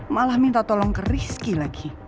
malah minta tolong ke rizky lagi